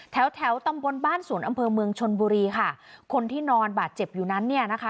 แถวตำบนบ้านศูนย์อำเภอเมืองค่ะคนที่นอนบาดเจ็บอยู่นั้นนี่นะคะ